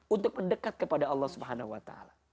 untuk mendekat kepada allah swt